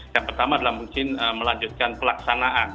yang pertama adalah mungkin melanjutkan pelaksanaan